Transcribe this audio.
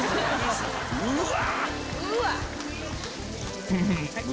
うわ！